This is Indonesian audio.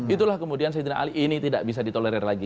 itulah kemudian sayyidina ali ini tidak bisa ditolerir lagi